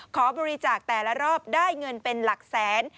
ขอบริจาคแต่ละรอบได้เงินเป็นหลักแสน